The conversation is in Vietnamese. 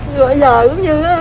rồi bây giờ cũng như